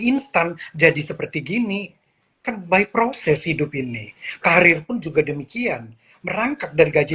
instan jadi seperti gini kan by proses hidup ini karir pun juga demikian merangkak dari gaji